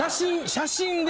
写真で。